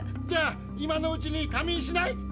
じゃあ今のうちに仮眠しない？